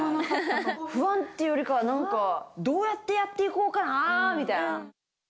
不安っていうよりかは、なんか、どうやってやっていこうかなみたいな。